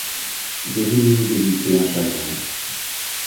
J'ai voulu vous éviter un chagrin.